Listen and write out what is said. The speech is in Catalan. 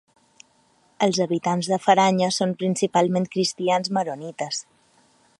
Els habitants de Faraya són principalment cristians maronites.